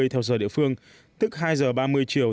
theo giờ địa phương tức hai h ba mươi chiều